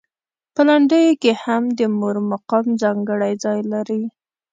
په لنډیو کې هم د مور مقام ځانګړی ځای لري.